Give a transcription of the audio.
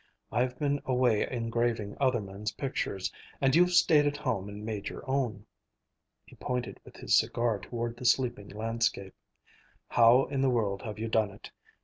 I've been away engraving other men's pictures, and you've stayed at home and made your own." He pointed with his cigar toward the sleeping landscape. "How in the world have you done it?